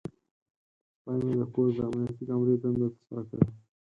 سپی مې د کور د امنیتي کامرې دنده ترسره کوي.